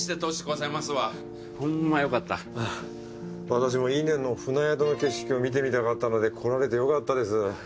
私も伊根の舟屋の景色を見てみたかったので来られてよかったです。